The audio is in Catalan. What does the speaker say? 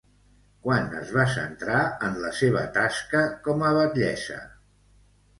Quan es va centrar en la seva tasca com a batllessa?